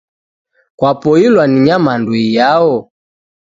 Kwapoilwa ni nyamandu iyao?